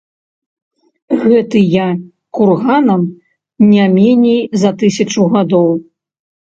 Гэтыя курганам не меней за тысячу гадоў.